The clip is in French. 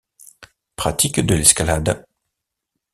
Pratique de l'escalade.